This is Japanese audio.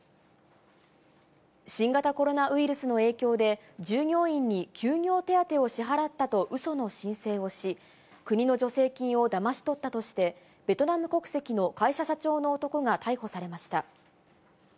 新型コロナウイルスの影響で、従業員に休業手当を支払ったと、うその申請をし、国の助成金をだまし取ったとして、ベトナム国籍の会社社長の男が逮捕されました。